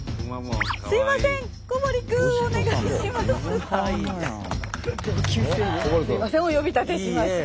すいませんすいませんお呼び立てしまして。